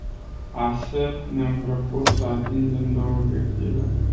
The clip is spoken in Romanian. Astfel, ne-am propus să atingem două obiective.